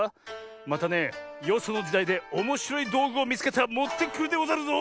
またねよそのじだいでおもしろいどうぐをみつけたらもってくるでござるぞ！